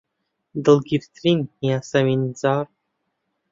دڵگیرترین یاسەمینجاڕ